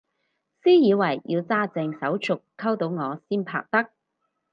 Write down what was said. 私以為要揸正手續溝到我先拍得